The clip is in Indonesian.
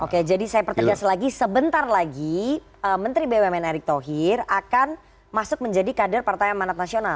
oke jadi saya pertegas lagi sebentar lagi menteri bumn erick thohir akan masuk menjadi kader partai amanat nasional